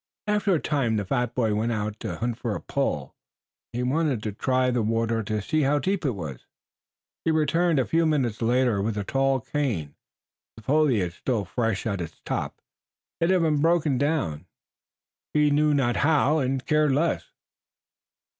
After a time the fat boy went out to hunt for a pole. He wanted to try the water to see how deep it was. He returned a few minutes later with a tall cane, the foliage still fresh at its top. It had been broken down, he knew not how and cared less.